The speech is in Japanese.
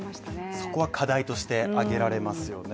そこは課題として挙げられますよね。